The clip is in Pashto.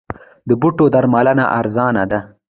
د بوټو درملنه ارزانه ده؟